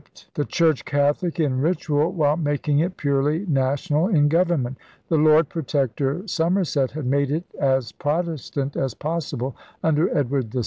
j I or fif^ ELIZABETHAN ENGLAND 53 the Church Catholic in ritual while making it purely national in government. The Lord Pro tector Somerset had made it as Protestant as possible under Edward VI.